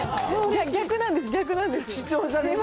逆なんです、逆なんです。